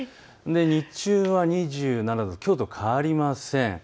日中は２７度、きょうと変わりません。